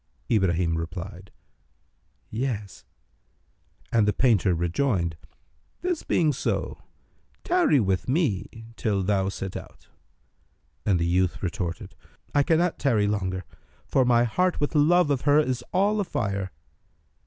Ibrahim replied, Yes; and the painter rejoined, "This being so, tarry with me till thou set out." But the youth retorted, "I cannot tarry longer; for my heart with love of her is all afire."